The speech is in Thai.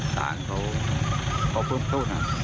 ส่างเขาก็ควรพูดนะ